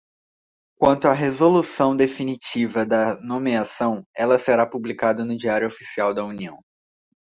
Quanto à resolução definitiva da nomeação, ela será publicada no Diário Oficial da União.